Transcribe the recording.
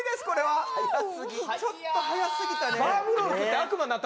ちょっと早すぎたね